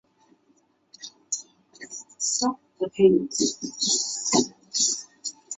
用于食物调理及化学实验。